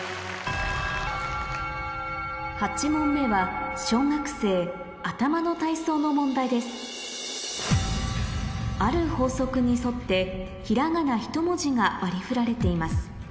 ８問目は小学生の問題ですある法則に沿ってひらがなひと文字が割り振られています